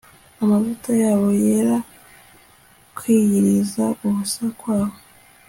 Amavuta yabo yera kwiyiriza ubusa kwabo